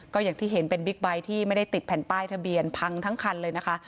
ก็อย่างที่เห็นเป็นบิ๊กไบท์ที่ไม่ได้ติดแผ่นป้ายทะเบียนพังทั้งคันเลยนะคะ